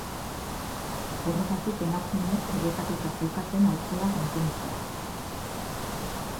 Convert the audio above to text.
Horregatik emakumeek debekatuta zeukaten alkohola kontsumitzea.